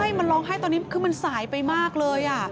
ใช่มันร้องไห้ตอนนี้คือมันสายไปมากเลย